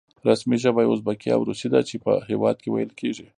رسمي ژبه یې ازبکي او روسي ده چې په هېواد کې ویل کېږي.